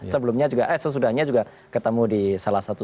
sebelumnya juga eh sesudahnya juga ketemu di salah satu